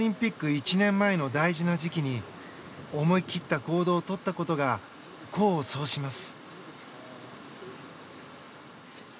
１年前の大事な時期に思い切った行動をとったことが功を奏します。